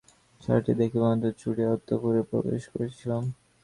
ছাতাটি দেখিবামাত্র ছুটিয়া অন্তঃপুরে প্রবেশ করিলাম।